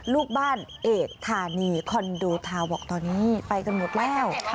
ลูกบ้านเอกธานีคอนโดทาวบอกตอนนี้ไปกันหมดแล้ว